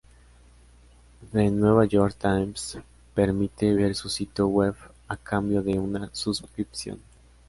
The New York Times permite ver su sitio web a cambio de una suscripción.